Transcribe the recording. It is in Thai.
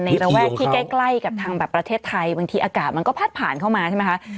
ระแวกที่ใกล้กับทางแบบประเทศไทยบางทีอากาศมันก็พัดผ่านเข้ามาใช่ไหมคะ